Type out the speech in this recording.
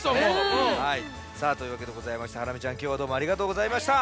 さあというわけでございましてハラミちゃんきょうはどうもありがとうございました。